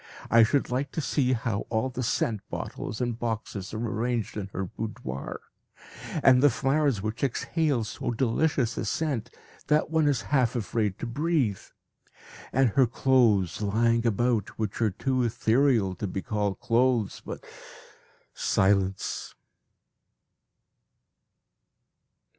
I should like to see how all the scent bottles and boxes are arranged in her boudoir, and the flowers which exhale so delicious a scent that one is half afraid to breathe. And her clothes lying about which are too ethereal to be called clothes but silence!